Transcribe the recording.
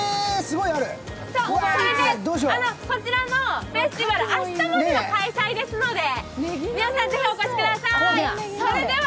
こちらのフェスティバルは明日までの開催ですので、皆さんぜひお越しください。